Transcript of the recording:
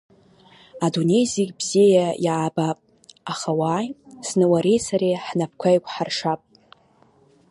Адунеи зегь бзиа иаабап, аха, уааи, зны уареи сареи ҳнапқәа еиқәҳаршап.